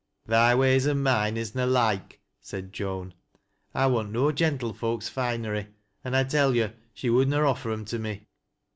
" Thy ways an' mine is na loike," said Joan. " I wanl no gentlefolks finery. An' I tell you she would na offei 'em to me."